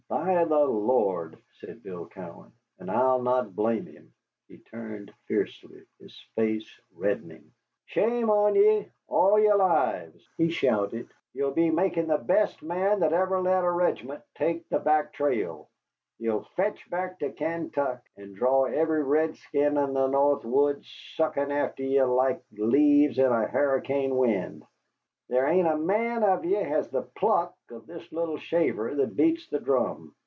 "By the Lord!" said Bill Cowan, "and I'll not blame him." He turned fiercely, his face reddening. "Shame on ye all yere lives," he shouted. "Ye're making the best man that ever led a regiment take the back trail. Ye'll fetch back to Kaintuck, and draw every redskin in the north woods suckin' after ye like leaves in a harricane wind. There hain't a man of ye has the pluck of this little shaver that beats the drum.